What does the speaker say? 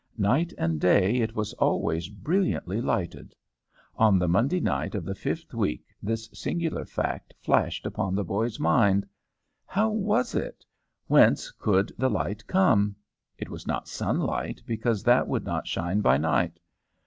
Night and day it was always brilliantly lighted! On the Monday night of the fifth week this singular fact flashed upon the boy's mind. How was it? Whence could the light come? It was not sunlight, because that would not shine by night.